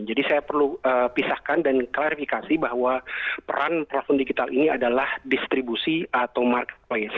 jadi saya perlu pisahkan dan klarifikasi bahwa peran platform digital ini adalah distribusi atau marketplace